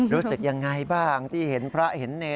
รู้สึกยังไงบ้างที่เห็นพระเห็นเนร